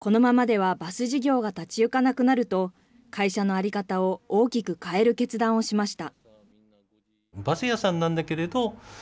このままではバス事業が立ち行かなくなると、会社の在り方を大きく変える決断をしました。